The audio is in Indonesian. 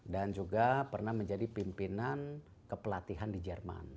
dan juga pernah menjadi pimpinan kepelatihan di jerman